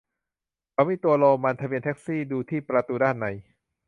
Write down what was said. เขามีตัวโรมัน ทะเบียนแท็กซี่ ดูที่ประตูด้านใน